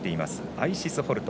アイシス・ホルト。